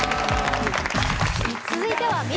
続いてはＭ！